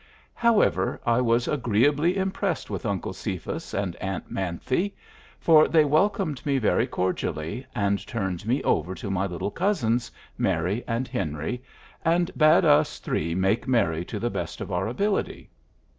However, I was agreeably impressed with Uncle Cephas and Aunt 'Manthy, for they welcomed me very cordially and turned me over to my little cousins, Mary and Henry, and bade us three make merry to the best of our ability.